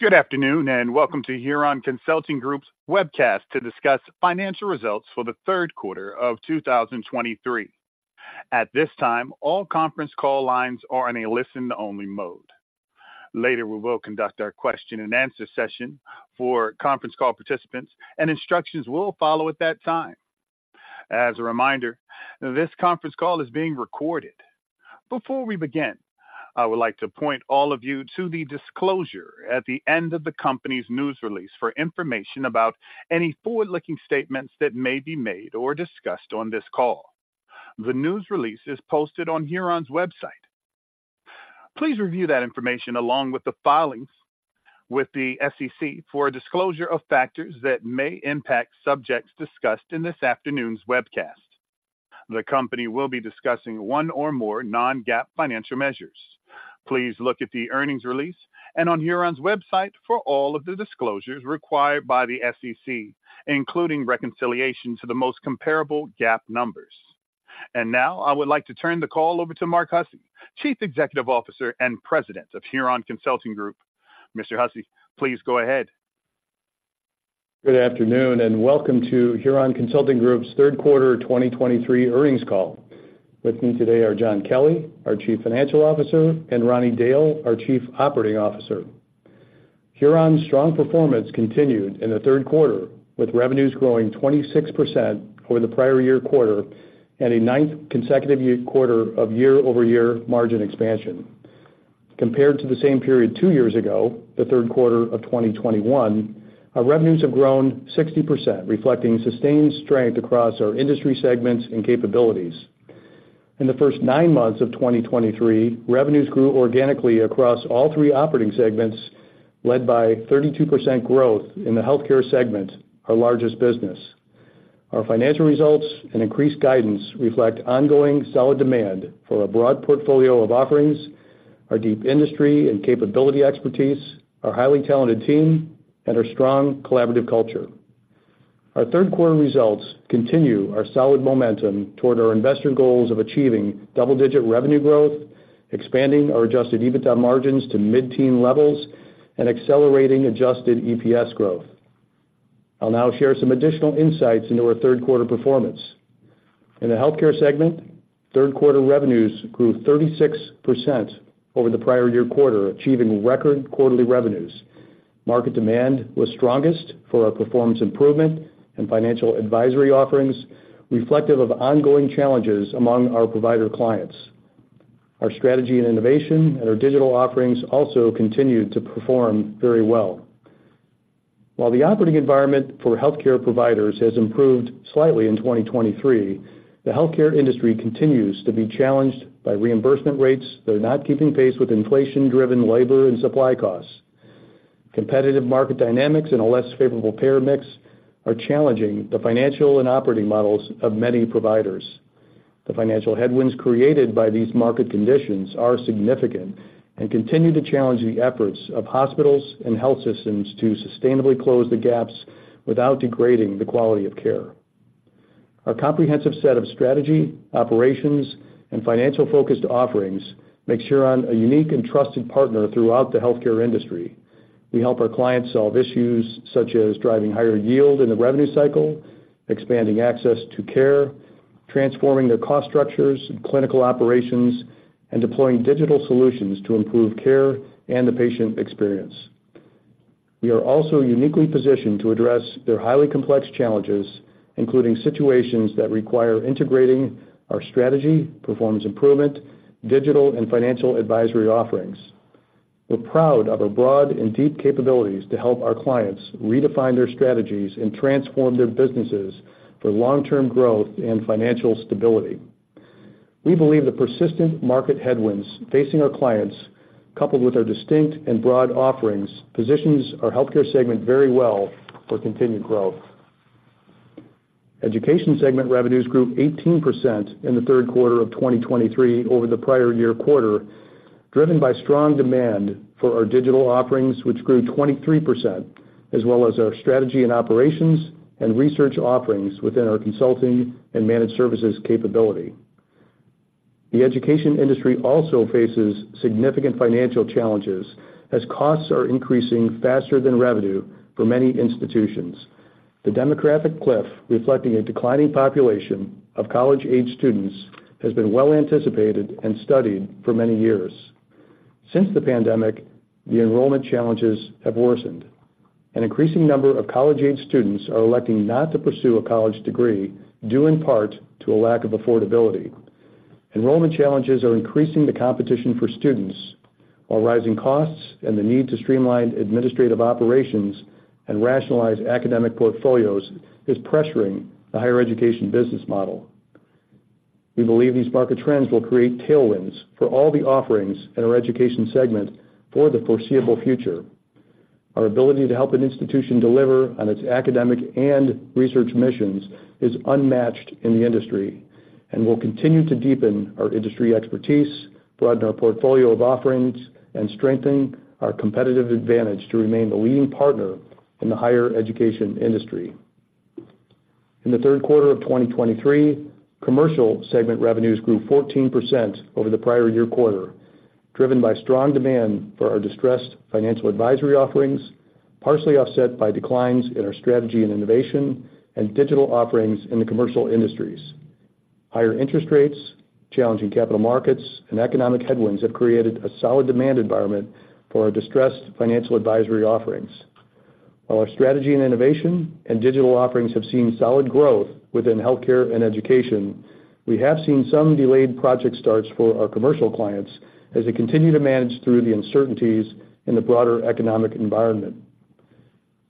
Good afternoon, and welcome to Huron Consulting Group's webcast to discuss financial results for the third quarter of 2023. At this time, all conference call lines are in a listen-only mode. Later, we will conduct our question-and-answer session for conference call participants, and instructions will follow at that time. As a reminder, this conference call is being recorded. Before we begin, I would like to point all of you to the disclosure at the end of the company's news release for information about any forward-looking statements that may be made or discussed on this call. The news release is posted on Huron's website. Please review that information along with the filings with the SEC for a disclosure of factors that may impact subjects discussed in this afternoon's webcast. The company will be discussing one or more non-GAAP financial measures. Please look at the earnings release and on Huron's website for all of the disclosures required by the SEC, including reconciliation to the most comparable GAAP numbers. Now, I would like to turn the call over to Mark Hussey, Chief Executive Officer and President of Huron Consulting Group. Mr. Hussey, please go ahead. Good afternoon, and welcome to Huron Consulting Group's third quarter 2023 earnings call. With me today are John Kelly, our Chief Financial Officer, and Ronnie Dail, our Chief Operating Officer. Huron's strong performance continued in the third quarter, with revenues growing 26% over the prior year quarter and a ninth consecutive quarter of year-over-year margin expansion. Compared to the same period two years ago, the third quarter of 2021, our revenues have grown 60%, reflecting sustained strength across our Industry segments and capabilities. In the first nine months of 2023, revenues grew organically across all three operating segments, led by 32% growth in the Healthcare segment, our largest business. Our financial results and increased guidance reflect ongoing solid demand for a broad portfolio of offerings, our deep industry and capability expertise, our highly talented team, and our strong collaborative culture. Our third quarter results continue our solid momentum toward our investor goals of achieving double-digit revenue growth, expanding our adjusted EBITDA margins to mid-teen levels, and accelerating adjusted EPS growth. I'll now share some additional insights into our third quarter performance. In the Healthcare segment, third quarter revenues grew 36% over the prior year quarter, achieving record quarterly revenues. Market demand was strongest for our Performance Improvement and Financial Advisory offerings, reflective of ongoing challenges among our provider clients. Our Strategy and Innovation and our Digital offerings also continued to perform very well. While the operating environment for healthcare providers has improved slightly in 2023, the Healthcare industry continues to be challenged by reimbursement rates that are not keeping pace with inflation-driven labor and supply costs. Competitive market dynamics and a less favorable payer mix are challenging the financial and operating models of many providers. The financial headwinds created by these market conditions are significant and continue to challenge the efforts of hospitals and health systems to sustainably close the gaps without degrading the quality of care. Our comprehensive set of strategy, operations, and financial-focused offerings make Huron a unique and trusted partner throughout the Healthcare industry. We help our clients solve issues such as driving higher yield in the revenue cycle, expanding access to care, transforming their cost structures and clinical operations, and deploying digital solutions to improve care and the patient experience. We are also uniquely positioned to address their highly complex challenges, including situations that require integrating our Strategy, Performance Improvement, Digital, and Financial Advisory offerings. We're proud of our broad and deep capabilities to help our clients redefine their strategies and transform their businesses for long-term growth and financial stability. We believe the persistent market headwinds facing our clients, coupled with our distinct and broad offerings, positions our healthcare segment very well for continued growth. Education segment revenues grew 18% in the third quarter of 2023 over the prior year quarter, driven by strong demand for our Digital offerings, which grew 23%, as well as our Strategy and Operations and Research offerings within our Consulting and Managed Services capability. The Education industry also faces significant financial challenges as costs are increasing faster than revenue for many institutions. The demographic cliff, reflecting a declining population of college-aged students, has been well anticipated and studied for many years. Since the pandemic, the enrollment challenges have worsened. An increasing number of college-aged students are electing not to pursue a college degree, due in part to a lack of affordability. Enrollment challenges are increasing the competition for students, while rising costs and the need to streamline administrative operations and rationalize academic portfolios is pressuring the higher education business model. We believe these market trends will create tailwinds for all the offerings in our Education segment for the foreseeable future. Our ability to help an institution deliver on its academic and research missions is unmatched in the industry, and we'll continue to deepen our industry expertise, broaden our portfolio of offerings, and strengthen our competitive advantage to remain the leading partner in the higher education industry. In the third quarter of 2023, Commercial segment revenues grew 14% over the prior year quarter, driven by strong demand for our distressed Financial Advisory offerings, partially offset by declines in our Strategy and Innovation and Digital offerings in the Commercial industries. Higher interest rates, challenging capital markets, and economic headwinds have created a solid demand environment for our distressed Financial Advisory offerings. While our Strategy and Innovation and Digital offerings have seen solid growth within Healthcare and Education, we have seen some delayed project starts for our Commercial clients as they continue to manage through the uncertainties in the broader economic environment.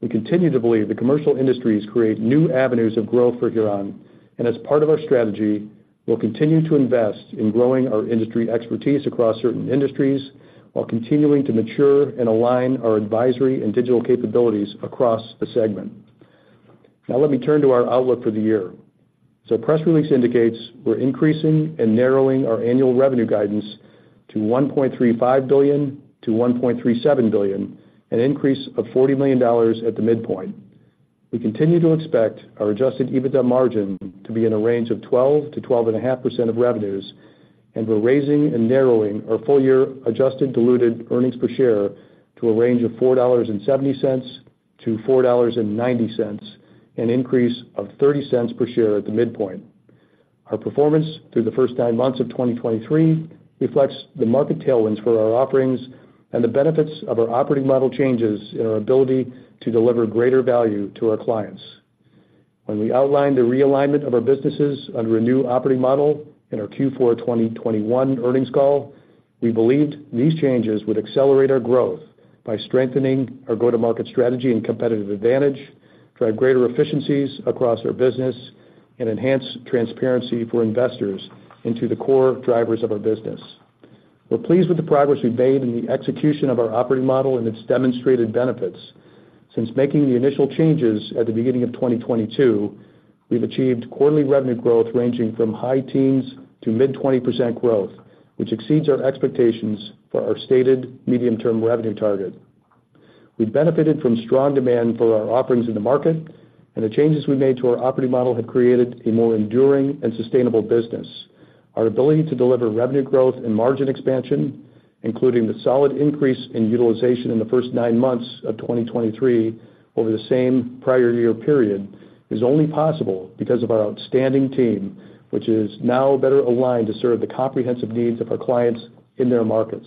We continue to believe the Commercial industries create new avenues of growth for Huron, and as part of our strategy, we'll continue to invest in growing our industry expertise across certain industries, while continuing to mature and align our advisory and digital capabilities across the segment. Now let me turn to our outlook for the year. Press release indicates we're increasing and narrowing our annual revenue guidance to $1.35 billion-$1.37 billion, an increase of $40 million at the midpoint. We continue to expect our adjusted EBITDA margin to be in a range of 12%-12.5% of revenues, and we're raising and narrowing our full-year adjusted diluted earnings per share to a range of $4.70-$4.90, an increase of $0.30 per share at the midpoint. Our performance through the first nine months of 2023 reflects the market tailwinds for our offerings and the benefits of our operating model changes and our ability to deliver greater value to our clients. When we outlined the realignment of our businesses under a new operating model in our Q4 2021 earnings call, we believed these changes would accelerate our growth by strengthening our go-to-market strategy and competitive advantage, drive greater efficiencies across our business, and enhance transparency for investors into the core drivers of our business. We're pleased with the progress we've made in the execution of our operating model and its demonstrated benefits. Since making the initial changes at the beginning of 2022, we've achieved quarterly revenue growth ranging from high teens to mid-20% growth, which exceeds our expectations for our stated medium-term revenue target. We've benefited from strong demand for our Offerings in the market, and the changes we've made to our operating model have created a more enduring and sustainable business. Our ability to deliver revenue growth and margin expansion, including the solid increase in utilization in the first nine months of 2023 over the same prior year period, is only possible because of our outstanding team, which is now better aligned to serve the comprehensive needs of our clients in their markets.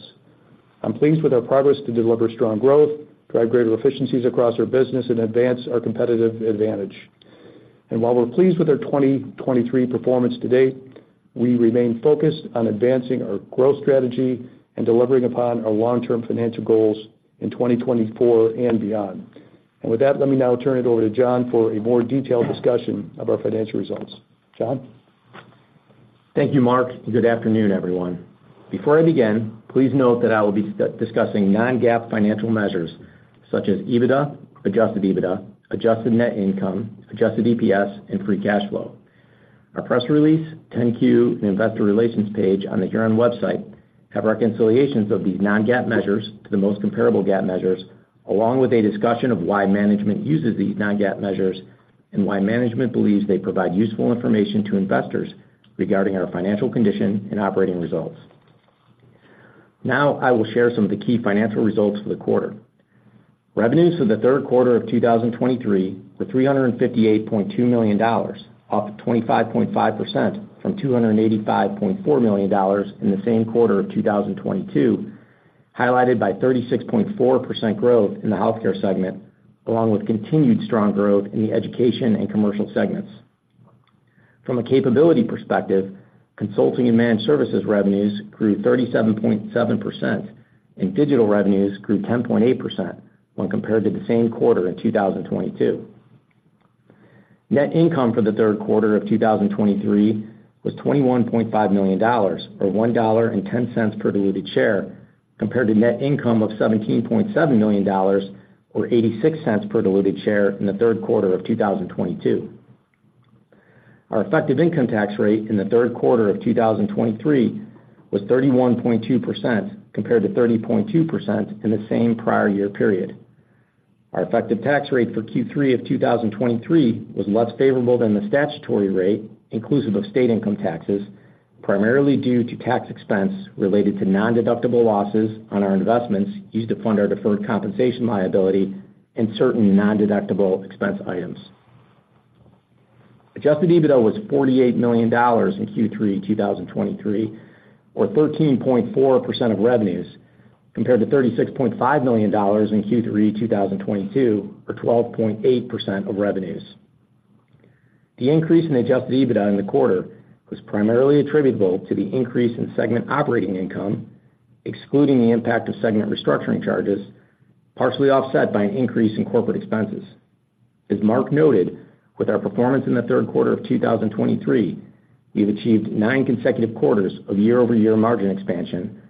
I'm pleased with our progress to deliver strong growth, drive greater efficiencies across our business, and advance our competitive advantage. And while we're pleased with our 2023 performance to date, we remain focused on advancing our growth strategy and delivering upon our long-term financial goals in 2024 and beyond. And with that, let me now turn it over to John for a more detailed discussion of our financial results. John? Thank you, Mark, and good afternoon, everyone. Before I begin, please note that I will be discussing non-GAAP financial measures such as EBITDA, adjusted EBITDA, adjusted net income, adjusted EPS, and free cash flow. Our press release, 10-Q, and investor relations page on the Huron website have reconciliations of these non-GAAP measures to the most comparable GAAP measures, along with a discussion of why management uses these non-GAAP measures and why management believes they provide useful information to investors regarding our financial condition and operating results. Now, I will share some of the key financial results for the quarter. Revenues for the third quarter of 2023 were $358.2 million, up 25.5% from $285.4 million in the same quarter of 2022, highlighted by 36.4% growth in the Healthcare segment, along with continued strong growth in the Education and Commercial segments. From a capability perspective, Consulting and Managed Services revenues grew 37.7%, and Digital revenues grew 10.8% when compared to the same quarter in 2022. Net income for the third quarter of 2023 was $21.5 million, or $1.10 per diluted share, compared to net income of $17.7 million, or $0.86 per diluted share in the third quarter of 2022. Our effective income tax rate in the third quarter of 2023 was 31.2%, compared to 30.2% in the same prior year period. Our effective tax rate for Q3 of 2023 was less favorable than the statutory rate, inclusive of state income taxes, primarily due to tax expense related to nondeductible losses on our investments used to fund our deferred compensation liability and certain nondeductible expense items. Adjusted EBITDA was $48 million in Q3 2023, or 13.4% of revenues, compared to $36.5 million in Q3 2022, or 12.8% of revenues. The increase in adjusted EBITDA in the quarter was primarily attributable to the increase in segment operating income, excluding the impact of segment restructuring charges, partially offset by an increase in corporate expenses. As Mark noted, with our performance in the third quarter of 2023, we've achieved nine consecutive quarters of year-over-year margin expansion,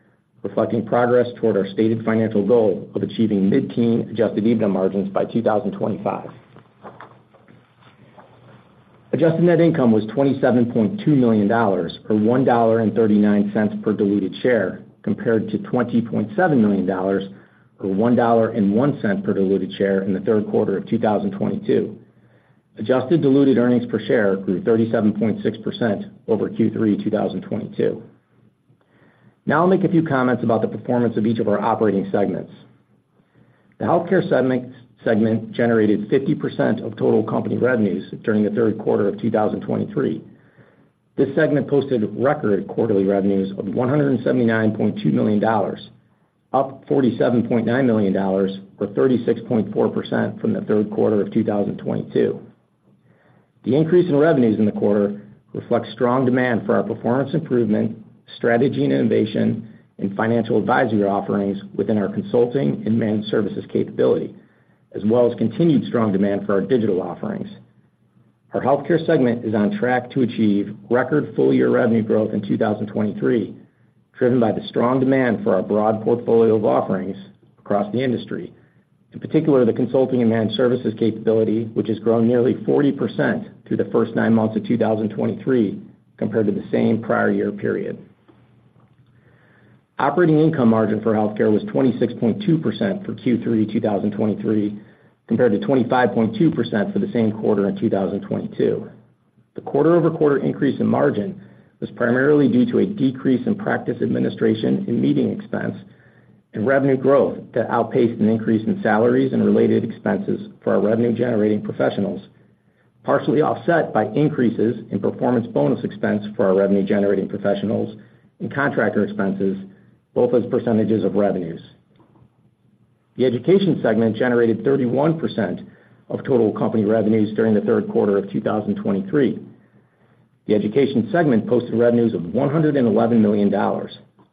reflecting progress toward our stated financial goal of achieving mid-teen adjusted EBITDA margins by 2025. Adjusted net income was $27.2 million, or $1.39 per diluted share, compared to $20.7 million, or $1.01 per diluted share in the third quarter of 2022. Adjusted diluted earnings per share grew 37.6% over Q3 2022. Now I'll make a few comments about the performance of each of our operating segments. The healthcare segment generated 50% of total company revenues during the third quarter of 2023. This segment posted record quarterly revenues of $179.2 million, up $47.9 million, or 36.4% from the third quarter of 2022. The increase in revenues in the quarter reflects strong demand for our Performance Improvement, Strategy and Innovation, and Financial Advisory offerings within our Consulting and Managed Services capability, as well as continued strong demand for our Digital Offerings. Our Healthcare segment is on track to achieve record full-year revenue growth in 2023, driven by the strong demand for our broad portfolio of offerings across the industry, in particular, the Consulting and Managed Services capability, which has grown nearly 40% through the first nine months of 2023 compared to the same prior year period. Operating income margin for Healthcare was 26.2% for Q3 2023, compared to 25.2% for the same quarter in 2022. The quarter-over-quarter increase in margin was primarily due to a decrease in practice administration and meeting expense and revenue growth that outpaced an increase in salaries and related expenses for our revenue-generating professionals, partially offset by increases in performance bonus expense for our revenue-generating professionals and contractor expenses, both as percentages of revenues. The education segment generated 31% of total company revenues during the third quarter of 2023. The education segment posted revenues of $111 million,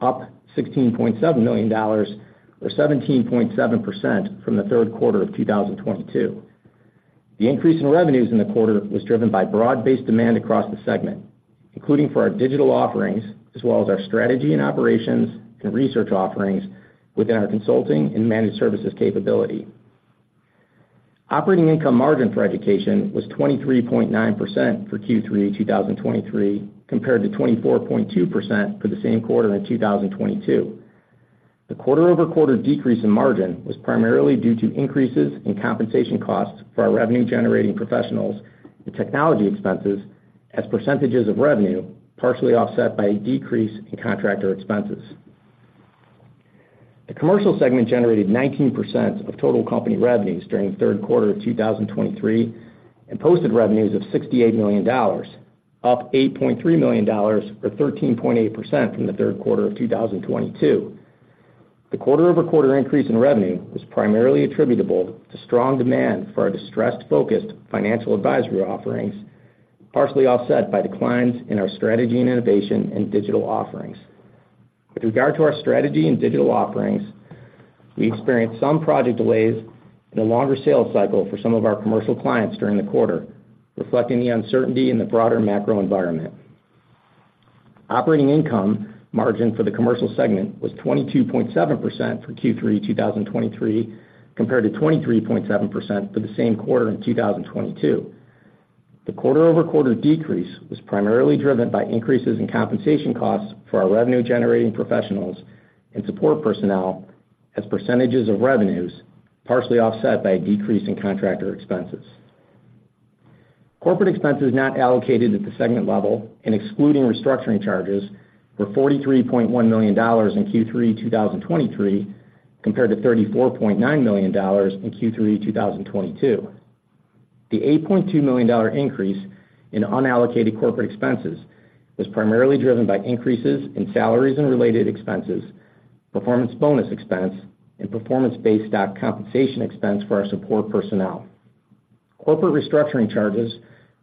up $16.7 million, or 17.7% from the third quarter of 2022. The increase in revenues in the quarter was driven by broad-based demand across the segment, including for our Digital offerings, as well as our Strategy and Operations and Research offerings within our Consulting and Managed Services capability. Operating income margin for Education was 23.9% for Q3 2023, compared to 24.2% for the same quarter in 2022. The quarter-over-quarter decrease in margin was primarily due to increases in compensation costs for our revenue-generating professionals and technology expenses as percentages of revenue, partially offset by a decrease in contractor expenses. The Commercial segment generated 19% of total company revenues during the third quarter of 2023 and posted revenues of $68 million, up $8.3 million, or 13.8% from the third quarter of 2022. The quarter-over-quarter increase in revenue was primarily attributable to strong demand for our distressed, focused Financial Advisory offerings, partially offset by declines in our Strategy and Innovation and Digital offerings. With regard to our Strategy and Digital offerings, we experienced some project delays and a longer sales cycle for some of our Commercial clients during the quarter, reflecting the uncertainty in the broader macro environment. Operating income margin for the Commercial segment was 22.7% for Q3 2023, compared to 23.7% for the same quarter in 2022. The quarter-over-quarter decrease was primarily driven by increases in compensation costs for our revenue-generating professionals and support personnel as percentages of revenues, partially offset by a decrease in contractor expenses. Corporate expenses not allocated at the segment level and excluding restructuring charges were $43.1 million in Q3 2023, compared to $34.9 million in Q3 2022. The $8.2 million increase in unallocated corporate expenses was primarily driven by increases in salaries and related expenses, performance bonus expense, and performance-based stock compensation expense for our support personnel. Corporate restructuring charges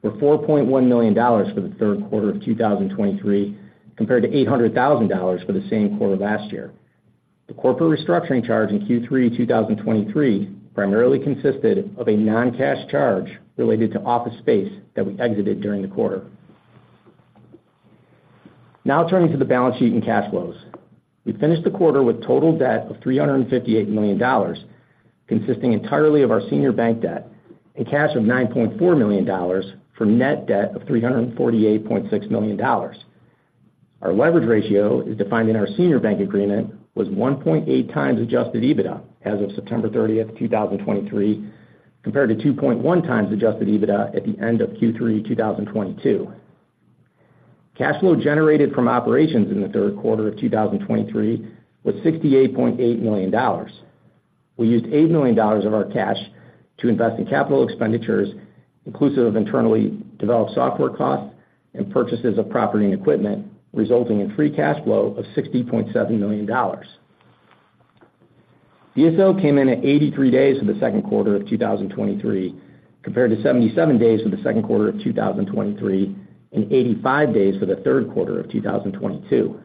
were $4.1 million for the third quarter of 2023, compared to $800,000 for the same quarter last year. The corporate restructuring charge in Q3 2023 primarily consisted of a non-cash charge related to office space that we exited during the quarter. Now turning to the balance sheet and cash flows. We finished the quarter with total debt of $358 million, consisting entirely of our senior bank debt, and cash of $9.4 million for net debt of $348.6 million. Our leverage ratio is defined in our senior bank agreement, was 1.8x adjusted EBITDA as of September 30, 2023, compared to 2.1x adjusted EBITDA at the end of Q3 2022. Cash flow generated from operations in the third quarter of 2023 was $68.8 million. We used $80 million of our cash to invest in capital expenditures, inclusive of internally developed software costs and purchases of property and equipment, resulting in free cash flow of $60.7 million. DSO came in at 83 days for the second quarter of 2023, compared to 77 days for the second quarter of 2023, and 85 days for the third quarter of 2022.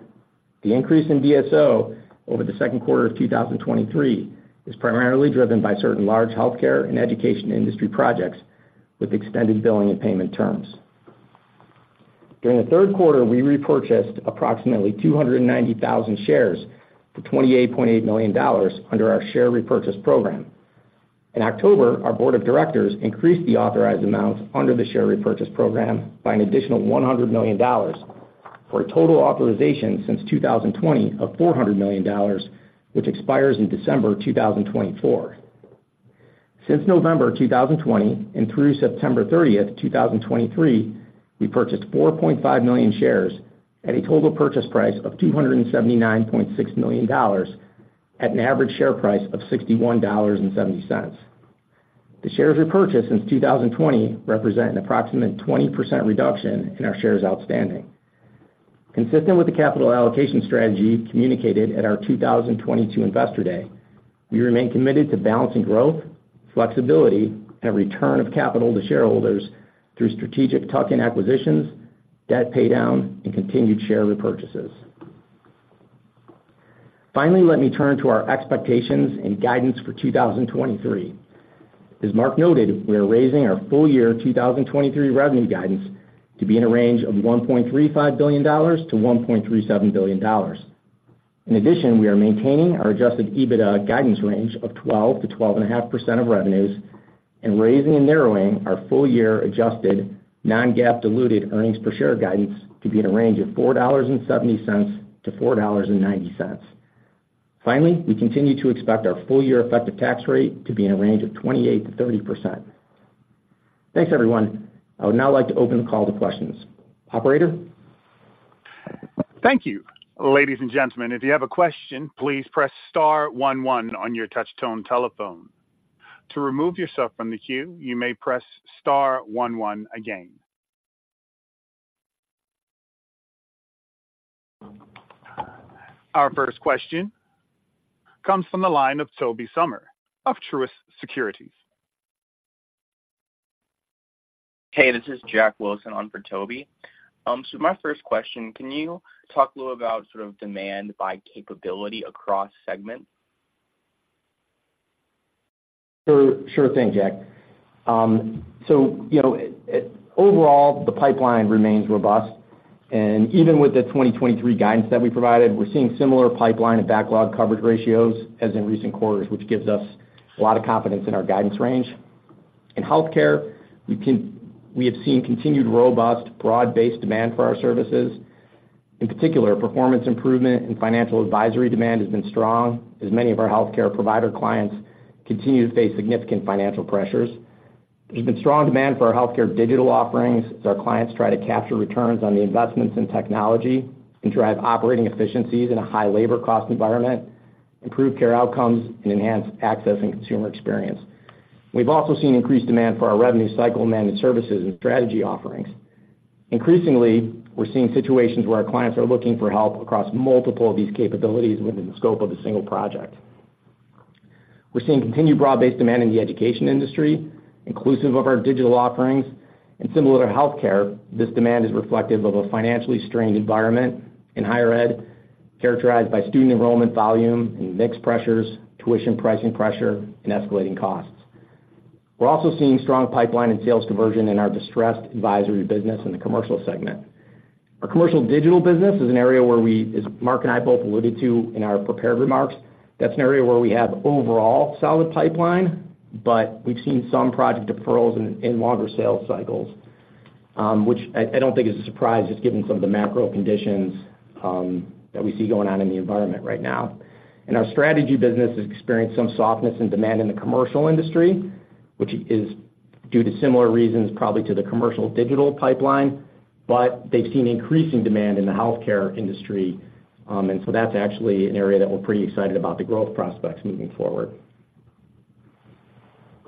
The increase in DSO over the second quarter of 2023 is primarily driven by certain large Healthcare and Education industry projects with extended billing and payment terms. During the third quarter, we repurchased approximately 290,000 shares for $28.8 million under our share repurchase program. In October, our board of directors increased the authorized amounts under the share repurchase program by an additional $100 million, for a total authorization since 2020 of $400 million, which expires in December 2024. Since November 2020 and through September 30th, 2023, we purchased 4.5 million shares at a total purchase price of $279.6 million, at an average share price of $61.70. The shares repurchased since 2020 represent an approximate 20% reduction in our shares outstanding. Consistent with the capital allocation strategy communicated at our 2022 Investor Day, we remain committed to balancing growth, flexibility, and return of capital to shareholders through strategic tuck-in acquisitions, debt paydown, and continued share repurchases. Finally, let me turn to our expectations and guidance for 2023. As Mark noted, we are raising our full-year 2023 revenue guidance to be in a range of $1.35 billion-$1.37 billion. In addition, we are maintaining our adjusted EBITDA guidance range of 12%-12.5% of revenues, and raising and narrowing our full-year adjusted non-GAAP diluted earnings per share guidance to be in a range of $4.70-$4.90. Finally, we continue to expect our full year effective tax rate to be in a range of 28%-30%. Thanks, everyone. I would now like to open the call to questions. Operator? Thank you. Ladies and gentlemen, if you have a question, please press Star one one on your touchtone telephone. To remove yourself from the queue, you may press Star one one again. Our first question comes from the line of Tobey Sommer of Truist Securities. Hey, this is Jack Wilson on for Tobey. So my first question, can you talk a little about sort of demand by capability across segments? Sure, sure thing, Jack. So, you know, overall, the pipeline remains robust, and even with the 2023 guidance that we provided, we're seeing similar pipeline and backlog coverage ratios as in recent quarters, which gives us a lot of confidence in our guidance range. In Healthcare, we have seen continued robust, broad-based demand for our services. In particular, Performance Improvement and Financial Advisory demand has been strong, as many of our healthcare provider clients continue to face significant financial pressures. There's been strong demand for our Healthcare Digital offerings as our clients try to capture returns on the investments in technology and drive operating efficiencies in a high labor cost environment, improve care outcomes, and enhance access and consumer experience. We've also seen increased demand for our revenue cycle management services and strategy offerings. Increasingly, we're seeing situations where our clients are looking for help across multiple of these capabilities within the scope of a single project. We're seeing continued broad-based demand in the education industry, inclusive of our Digital offerings, and similar to Healthcare, this demand is reflective of a financially strained environment in higher ed, characterized by student enrollment volume and mix pressures, tuition pricing pressure, and escalating costs. We're also seeing strong pipeline and sales conversion in our distressed advisory business in the Commercial segment. Our Commercial Digital business is an area where we, as Mark and I both alluded to in our prepared remarks, that's an area where we have overall solid pipeline, but we've seen some project deferrals and longer sales cycles, which I don't think is a surprise, just given some of the macro conditions that we see going on in the environment right now. Our Strategy business has experienced some softness in demand in the Commercial industry, which is due to similar reasons, probably to the commercial digital pipeline, but they've seen increasing demand in the healthcare industry. And so that's actually an area that we're pretty excited about the growth prospects moving forward.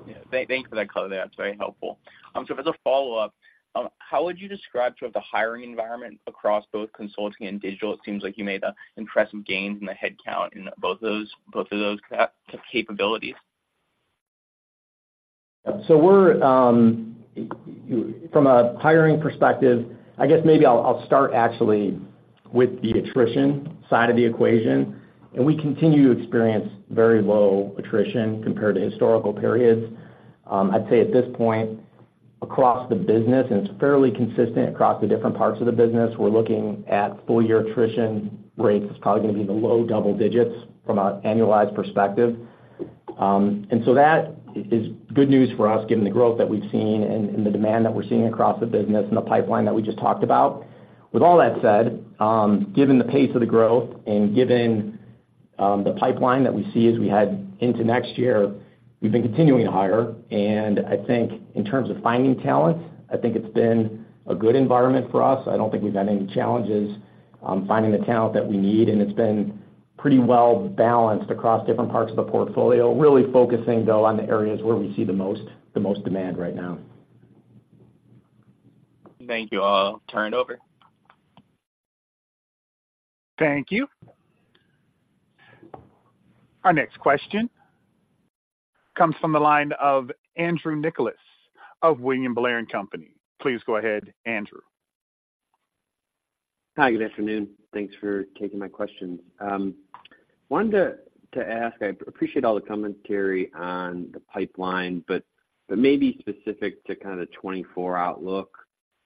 Yeah, thank, thank you for that clarity. That's very helpful. So as a follow-up, how would you describe sort of the hiring environment across both Consulting and Digital? It seems like you made impressive gains in the headcount in both those- both of those capabilities. So we're from a hiring perspective, I guess maybe I'll start actually with the attrition side of the equation, and we continue to experience very low attrition compared to historical periods. I'd say at this point, across the business, and it's fairly consistent across the different parts of the business, we're looking at full-year attrition rates is probably gonna be in the low double-digits from an annualized perspective. And so that is good news for us, given the growth that we've seen and the demand that we're seeing across the business and the pipeline that we just talked about. With all that said, given the pace of the growth and given the pipeline that we see as we head into next year, we've been continuing to hire. I think in terms of finding talent, I think it's been a good environment for us. I don't think we've had any challenges on finding the talent that we need, and it's been pretty well balanced across different parts of the portfolio. Really focusing, though, on the areas where we see the most, the most demand right now. Thank you. I'll turn it over. Thank you. Our next question comes from the line of Andrew Nicholas of William Blair & Company. Please go ahead, Andrew. Hi, good afternoon. Thanks for taking my questions. Wanted to ask. I appreciate all the commentary on the pipeline, but maybe specific to kind of 2024 outlook.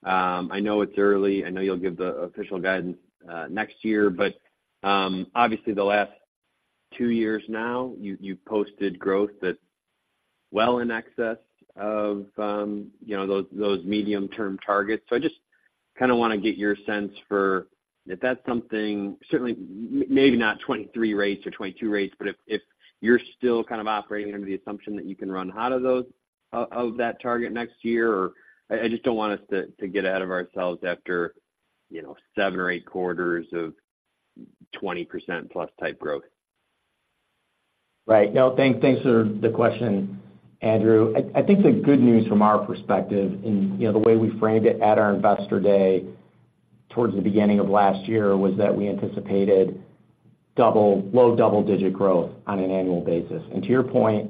I know it's early, I know you'll give the official guidance next year, but obviously, the last two years now, you've posted growth that's well in excess of, you know, those medium-term targets. So I just kinda wanna get your sense for if that's something—certainly, maybe not 2023 rates or 2022 rates, but if you're still kind of operating under the assumption that you can run out of those, of that target next year, or I just don't want us to get ahead of ourselves after, you know, 7 or 8 quarters of 20%+ type growth. Right. No, thanks, thanks for the question, Andrew. I think the good news from our perspective, and, you know, the way we framed it at our Investor Day towards the beginning of last year, was that we anticipated low double-digit growth on an annual basis. And to your point,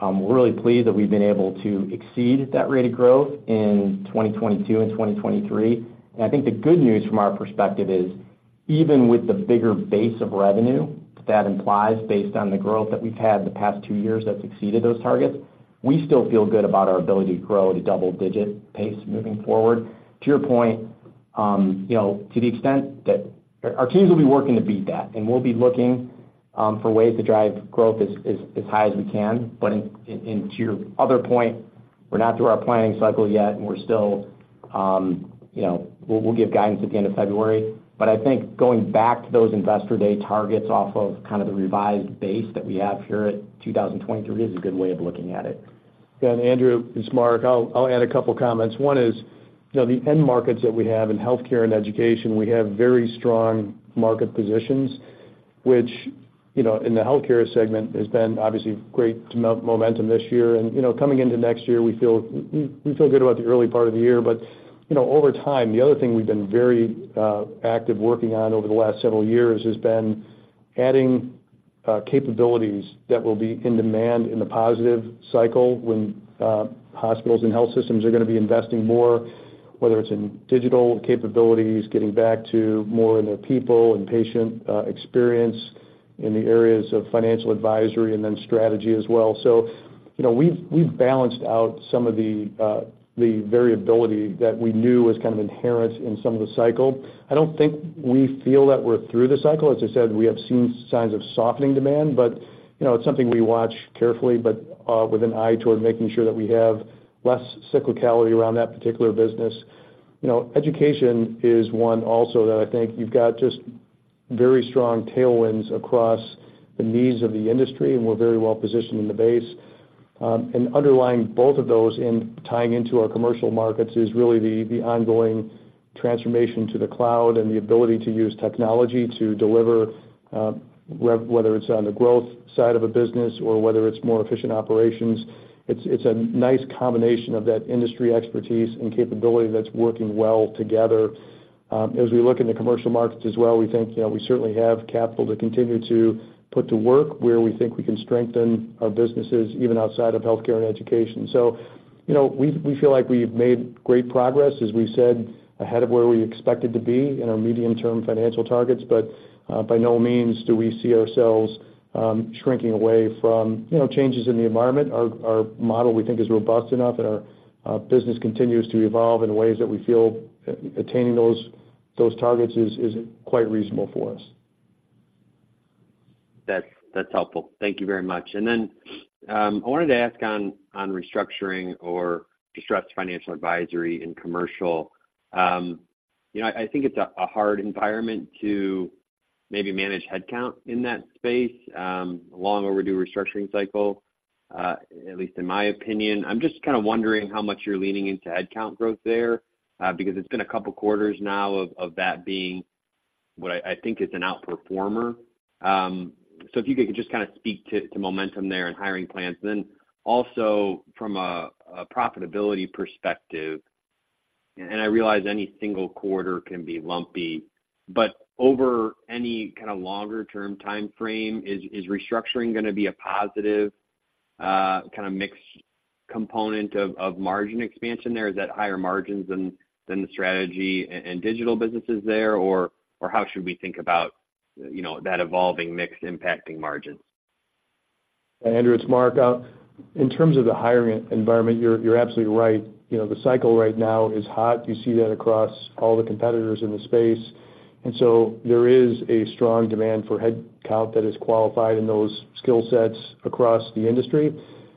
I'm really pleased that we've been able to exceed that rate of growth in 2022 and 2023. And I think the good news from our perspective is, even with the bigger base of revenue that implies, based on the growth that we've had in the past two years that's exceeded those targets, we still feel good about our ability to grow at a double-digit pace moving forward. To your point, you know, to the extent that... Our teams will be working to beat that, and we'll be looking for ways to drive growth as high as we can. But to your other point, we're not through our planning cycle yet, and we're still, you know, we'll give guidance at the end of February. But I think going back to those Investor Day targets off of kind of the revised base that we have here at 2023, is a good way of looking at it. Yeah, Andrew, it's Mark. I'll add a couple comments. One is, you know, the end markets that we have in healthcare and education, we have very strong market positions, which, you know, in the Healthcare segment, has been obviously great momentum this year. And, you know, coming into next year, we feel good about the early part of the year. But, you know, over time, the other thing we've been very active working on over the last several years has been adding capabilities that will be in demand in the positive cycle, when hospitals and health systems are gonna be investing more, whether it's in digital capabilities, getting back to more in their people and patient experience, in the areas of Financial Advisory and then strategy as well. So, you know, we've balanced out some of the variability that we knew was kind of inherent in some of the cycle. I don't think we feel that we're through the cycle. As I said, we have seen signs of softening demand, but, you know, it's something we watch carefully, but with an eye toward making sure that we have less cyclicality around that particular business. You know, education is one also that I think you've got just very strong tailwinds across the needs of the industry, and we're very well positioned in the base. And underlying both of those and tying into our Commercial markets is really the ongoing transformation to the cloud and the ability to use technology to deliver whether it's on the growth side of a business or whether it's more efficient operations. It's a nice combination of that industry expertise and capability that's working well together. As we look in the commercial markets as well, we think, you know, we certainly have capital to continue to put to work, where we think we can strengthen our businesses, even outside of Healthcare and Education. So, you know, we feel like we've made great progress, as we said, ahead of where we expected to be in our medium-term financial targets, but by no means do we see ourselves shrinking away from, you know, changes in the environment. Our model, we think, is robust enough, and our business continues to evolve in ways that we feel attaining those targets is quite reasonable for us. That's helpful. Thank you very much. And then I wanted to ask on restructuring or distressed Financial Advisory and commercial. You know, I think it's a hard environment to maybe manage headcount in that space, long overdue restructuring cycle, at least in my opinion. I'm just kind of wondering how much you're leaning into headcount growth there, because it's been a couple quarters now of that being what I think is an outperformer. So if you could just kind of speak to momentum there and hiring plans. Then also from a profitability perspective, and I realize any single quarter can be lumpy, but over any kind of longer-term timeframe, is restructuring gonna be a positive kind of mixed component of margin expansion there? Is that higher margins than the Strategy and Digital businesses there, or how should we think about, you know, that evolving mix impacting margins? Andrew, it's Mark. In terms of the hiring environment, you're absolutely right. You know, the cycle right now is hot. You see that across all the competitors in the space. And so there is a strong demand for headcount that is qualified in those skill sets across the industry.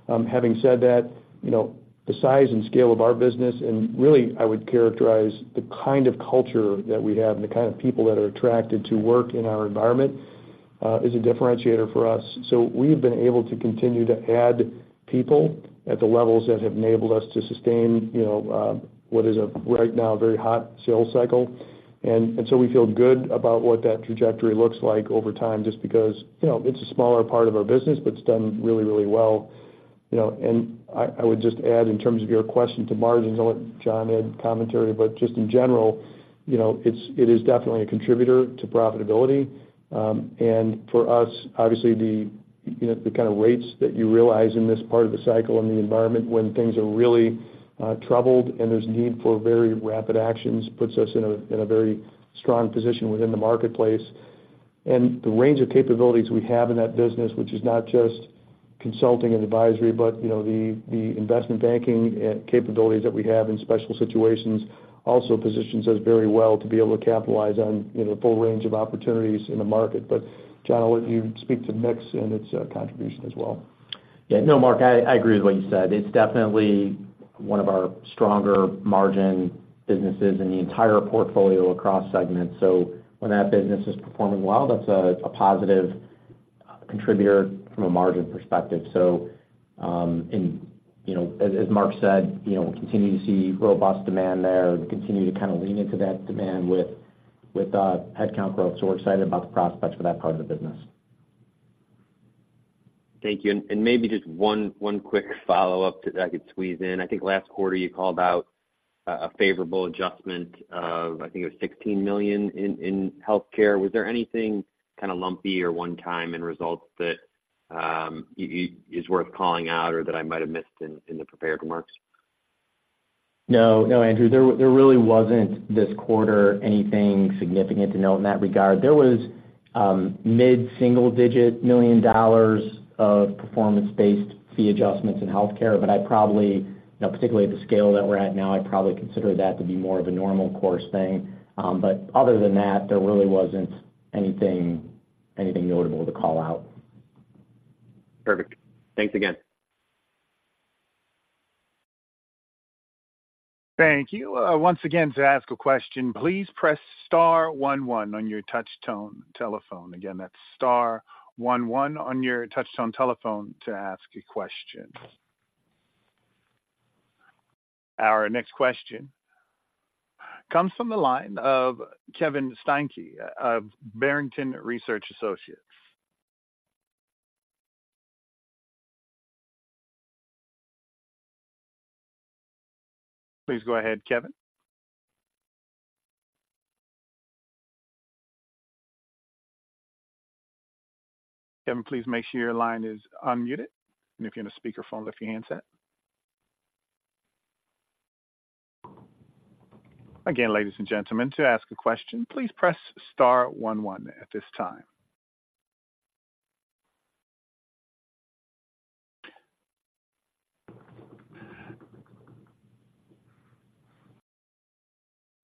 Having said that, you know, the size and scale of our business, and really I would characterize the kind of culture that we have and the kind of people that are attracted to work in our environment, is a differentiator for us. So we've been able to continue to add people at the levels that have enabled us to sustain, you know, what is a, right now, a very hot sales cycle. and so we feel good about what that trajectory looks like over time, just because, you know, it's a smaller part of our business, but it's done really, really well. You know, and I, I would just add, in terms of your question to margins, I'll let John add commentary, but just in general, you know, it is definitely a contributor to profitability. And for us, obviously, the, you know, the kind of rates that you realize in this part of the cycle and the environment when things are really troubled and there's need for very rapid actions, puts us in a, in a very strong position within the marketplace. And the range of capabilities we have in that business, which is not just-... Consulting and Advisory, but, you know, the investment banking capabilities that we have in special situations also positions us very well to be able to capitalize on, you know, the full range of opportunities in the market. But John, I'll let you speak to mix and its contribution as well. Yeah. No, Mark, I agree with what you said. It's definitely one of our stronger margin businesses in the entire portfolio across segments. So when that business is performing well, that's a positive contributor from a margin perspective. So, and, you know, as Mark said, you know, we continue to see robust demand there and continue to kind of lean into that demand with headcount growth. So we're excited about the prospects for that part of the business. Thank you. And maybe just one quick follow-up that I could squeeze in. I think last quarter you called out a favorable adjustment of, I think it was $16 million in healthcare. Was there anything kind of lumpy or one-time in results that is worth calling out or that I might have missed in the prepared remarks? No, no, Andrew, there, there really wasn't this quarter anything significant to note in that regard. There was mid-single-digit million dollars of performance-based fee adjustments in Healthcare, but I'd probably, you know, particularly at the scale that we're at now, I'd probably consider that to be more of a normal course thing. But other than that, there really wasn't anything, anything notable to call out. Perfect. Thanks again. Thank you. Once again, to ask a question, please press Star one one on your touchtone telephone. Again, that's Star one one on your touchtone telephone to ask a question. Our next question comes from the line of Kevin Steinke of Barrington Research Associates. Please go ahead, Kevin. Kevin, please make sure your line is unmuted, and if you're in a speakerphone, lift your handset. Again, ladies and gentlemen, to ask a question, please press Star one one at this time.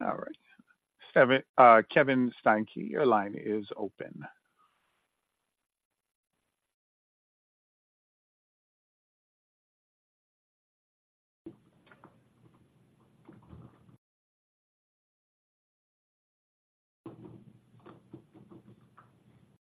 All right, Kevin, Kevin Steinke, your line is open.